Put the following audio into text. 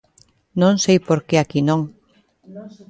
Non sei por que aquí non.